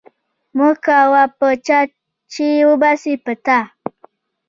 مکوه په چا، چي و به سي په تا